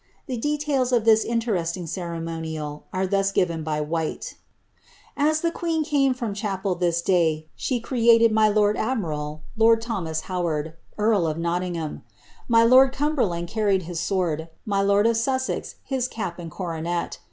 The details of this interesting ceremonial are thus giren by Whyte : ^Ae the queen came from chapel this day, she created my lord admi nl, lord Thomas Howard, earl of Nottingham. My lord Cumberland carried his sword, my lord of Sussex his cap and coronet.